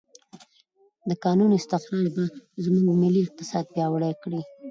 د کانونو استخراج به زموږ ملي اقتصاد پیاوړی کړي.